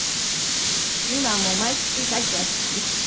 今はもう毎月帰っていらっしゃるんですって？